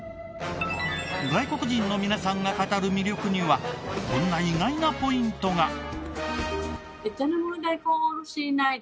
外国人の皆さんが語る魅力にはこんな意外なポイントが。